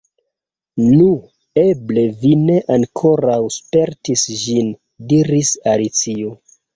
"Nu, eble vi ne ankoraŭ spertis ĝin," diris Alicio.